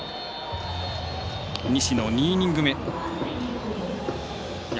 西の２イニング目。